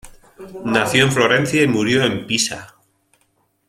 Nació en Florencia y murió en Pisa.